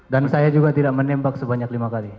dan saya juga tidak menembak sebanyak lima kali